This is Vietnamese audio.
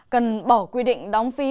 cần bỏ quy định đóng phi